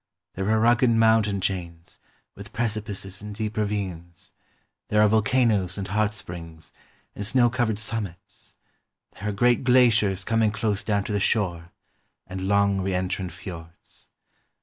There are rugged mountain chains, with precipices and deep ravines; there are volcanoes and hot springs, and snow covered summits ; there are great glaciers coming close down to the shore, and long reentrant fiords.